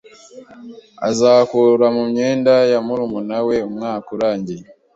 Ken azakura mumyenda ya murumuna we umwaka urangiye.